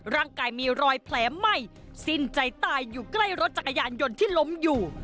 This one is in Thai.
ร่างกายมีรอยแผลใหม่สิ้นใจตายอยู่ใกล้รถจักรยานยนต์ที่ล้มอยู่